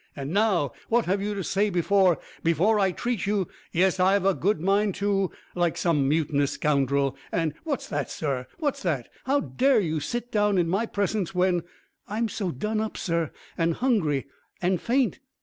And now, what have you to say before before I treat you yes, I've a good mind to like some mutinous scoundrel, and What's that, sir, what's that? How dare you sit down in my presence, when " "I'm so done up, sir, and hungry and faint."